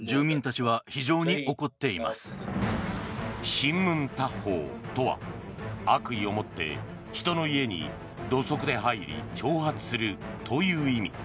シンムンタッホーとは悪意を持って人の家に土足で入り挑発するという意味。